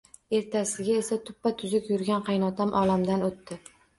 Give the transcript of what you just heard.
Ertasiga esa tuppa-tuzuk yurgan qaynotam olamdan o'tdi